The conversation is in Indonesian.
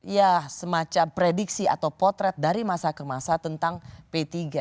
ya semacam prediksi atau potret dari masa ke masa tentang p tiga